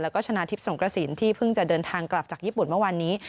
แล้วก็ชนะทิพย์สงกระสินที่เพิ่งจะเดินทางกลับจากญี่ปุ่นเมื่อวานนี้